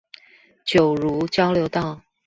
九如交流道